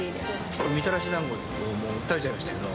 これ、みたらしだんご、もう食べちゃいましたけど。